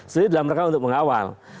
jadi dalam mereka untuk mengawal